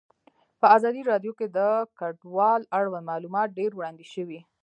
په ازادي راډیو کې د کډوال اړوند معلومات ډېر وړاندې شوي.